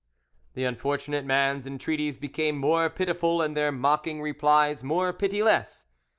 The unfortunate man's entreaties became more pitiful and their mocking replies more pitiless.